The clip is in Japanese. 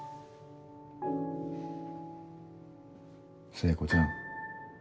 聖子ちゃん